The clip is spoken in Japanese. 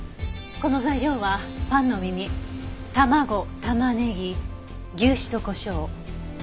この材料はパンの耳卵タマネギ牛脂とコショウ。